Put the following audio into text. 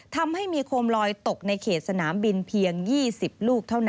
ทำให้มีโคมลอยตกในเขตสนามบินเพียง๒๐ลูกเท่านั้น